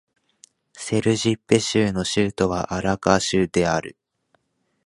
セルジッペ州の州都はアラカジュである